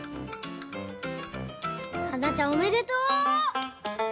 かんなちゃんおめでとう！